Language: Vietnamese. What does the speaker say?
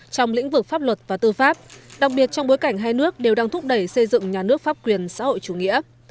trong lĩnh vực pháp luật và tư pháp đặc biệt trong bối cảnh hai nước đều đang thúc đẩy xây dựng nhà nước pháp quyền xã hội chủ nghĩa